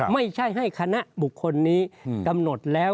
ไม่ใช่ให้คณะบุคคลนี้กำหนดแล้ว